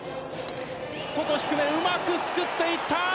外低め、うまくすくっていった。